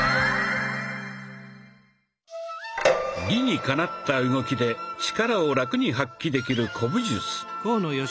理にかなった動きで力をラクに発揮できる古武術。